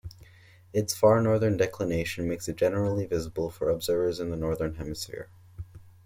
Its far northern declination makes it generally visible for observers in the northern hemisphere.